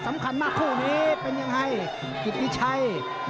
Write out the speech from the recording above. สำคัญมาครู่นี้เป็นอย่างไรจิปติดชัย